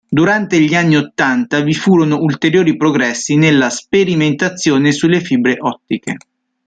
Durante gli anni ottanta vi furono ulteriori progressi nella sperimentazione sulle fibre ottiche.